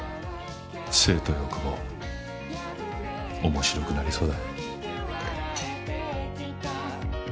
性と欲望面白くなりそうだ。